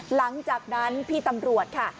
หลังจากนั้นพี่ตำรวจค่ะ